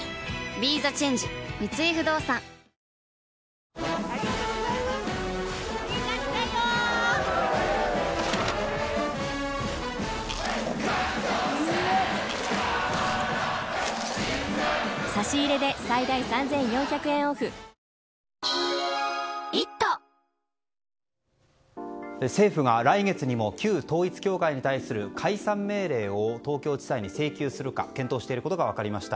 ＢＥＴＨＥＣＨＡＮＧＥ三井不動産政府が来月にも旧統一教会に対する解散命令を東京地裁に請求するか検討していることが分かりました。